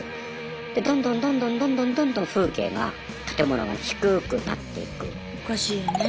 でどんどんどんどんどんどんどんどん風景が建物が低くなっていく。